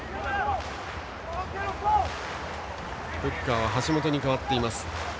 フッカーは橋本に代わっています。